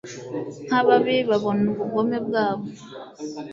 Nkababi babona ubugome bwabo